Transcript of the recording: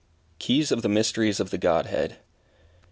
KEYS OF THE MYSTERIES OF THE GODHEAD.